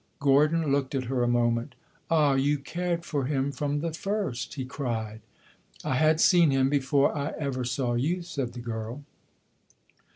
Gordon looked at her a moment. "Ah, you cared for him from the first!" he cried. "I had seen him before I ever saw you," said the girl.